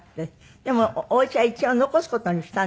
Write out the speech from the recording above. でもお家は一応残す事にしたんですって？